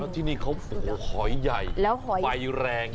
แล้วที่นี่เขาหอยใหญ่แล้วหอยไฟแรง